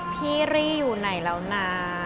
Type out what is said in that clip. รี่อยู่ไหนแล้วนะ